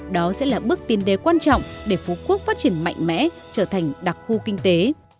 đó sẽ là bước tiến đề quan trọng để phú quốc phát triển mạnh mẽ trở thành đặc khu kinh tế